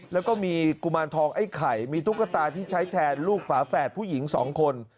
แล้วก็มีกุมารทองไอ้ไข่มีตุ๊กตาที่ใช้แทนลูกฝาแฝดผู้หญิงสองคน